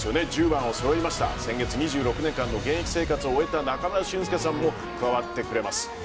１０番を背負いました先月、２６年間の現役生活を終えた中村俊輔さんも加わってくれます。